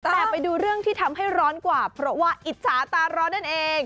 แต่ไปดูเรื่องที่ทำให้ร้อนกว่าเพราะว่าอิจฉาตาร้อนนั่นเอง